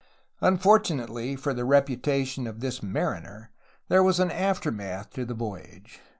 Unfortunately for the reputation of this mariner there was an aftermath to the voyage.